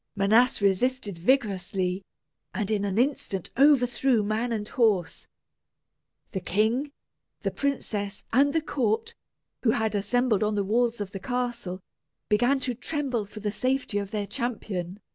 Manas resisted vigorously, and in an instant overthrew man and horse. The king, the princess, and the court, who had assembled on the walls of the castle, began to tremble for the safety of their champion.